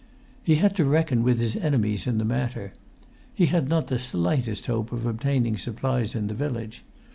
He had to reckon with his enemies in the[Pg 132] matter. He had not the slightest hope of obtaining supplies in the village.